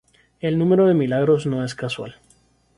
El número de milagros no es casual.